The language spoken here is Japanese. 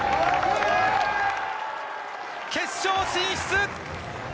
決勝進出！